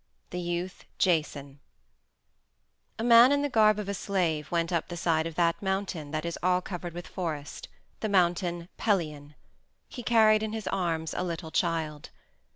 THE YOUTH JASON A man in the garb of a slave went up the side of that mountain that is all covered with forest, the Mountain Pelion. He carried in his arms a little child.